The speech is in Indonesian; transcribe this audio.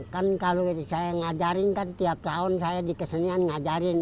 kan kalau saya ngajarin kan tiap tahun saya di kesenian ngajarin